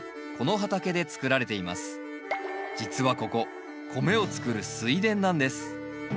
実はここ米をつくる水田なんです。